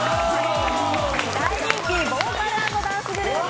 大人気ボーカル＆ダンスグループ